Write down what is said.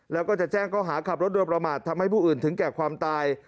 แล้วก็จะแจ้งเขาหาขับรถโดยประมาททำให้ผู้อื่นถึงแก่ความตาย